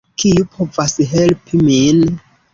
Kiu povas helpi min?